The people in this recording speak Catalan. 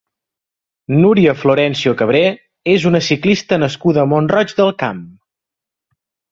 Núria Florencio Cabré és una ciclista nascuda a Mont-roig del Camp.